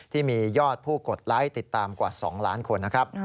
ที่มียอดผู้กดไลค์ติดตามกว่า๒ล้านคนนะครับ